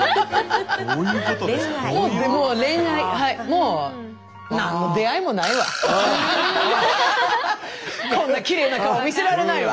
もうこんなきれいな顔見せられないわ！